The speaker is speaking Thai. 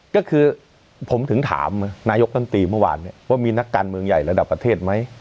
ก็คือผมถึงถามนายกรัฐมนตรีเมื่อวานว่ามีนักการเมืองใหญ่ระดับประเทศไหม